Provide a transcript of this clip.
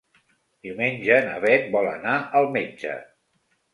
Diumenge na Beth vol anar al metge.